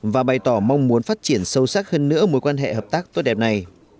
và bày tỏ mong muốn phát triển sâu sắc hơn nữa mối quan hệ hợp tác tốt đẹp này